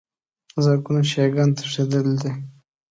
زرګونو شیعه ګان تښتېدلي دي.